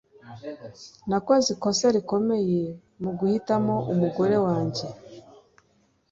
Nakoze ikosa rikomeye muguhitamo umugore wanjye.